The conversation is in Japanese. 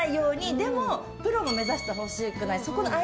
でもプロも目指してほしくない。